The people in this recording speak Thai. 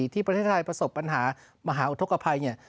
ที่ประเทศไทยประสบปัญหามหาอุทธกภัยเนี่ย